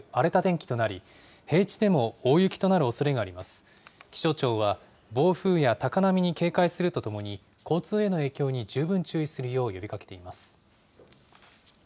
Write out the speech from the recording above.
気象庁は暴風や高波に警戒するとともに、交通への影響に十分注意するよう呼びかけています。